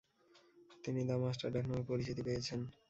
তিনি ‘the master’ ডাকনামে পরিচিতি পেয়েছেন।